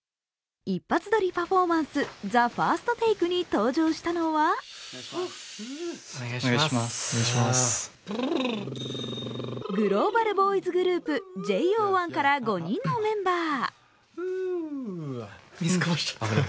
一発撮りパフォーマンス、ＴＨＥＦＩＲＳＴＴＡＫＥに登場したのはグローバルボーイズグループＪＯ１から５人のメンバー。